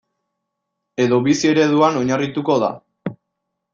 Edo bizi ereduan oinarrituko da.